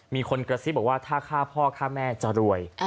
มีคนกระซิบบอกว่าถ้าฆ่าพ่อฆ่าแม่จะรวย